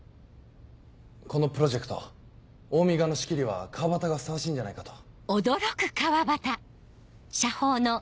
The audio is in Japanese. このプロジェクトオウミ側の仕切りは川端がふさわしいんじゃないかと。